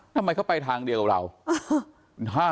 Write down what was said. ทำไมเขาไปทางเดียวกับเรา